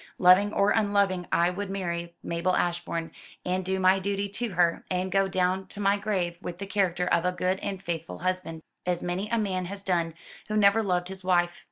Loving or unloving I would marry Mabel Ashbourne, and do my duty to her, and go down to my grave with the character of a good and faithful husband, as many a man has done who never loved his wife.